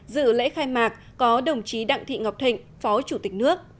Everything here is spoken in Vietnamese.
dự lễ khai mạc có đồng chí đặng thị ngọc thịnh phó chủ tịch nước